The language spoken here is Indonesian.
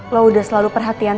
lo udah selalu perhatian